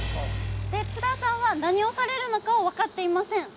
津田さんは何をされるのか分かっていません。